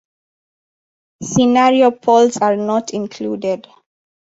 Scenario polls are not included.